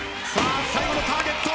最後のターゲット。